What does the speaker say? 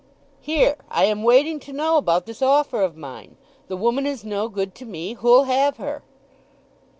"Here—I am waiting to know about this offer of mine. The woman is no good to me. Who'll have her?"